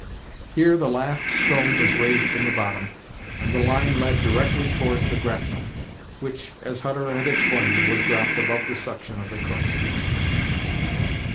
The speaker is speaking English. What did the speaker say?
Here the last stone was raised from the bottom, and the line led directly towards the grapnel, which, as Hutter had explained, was dropped above the suction of the current.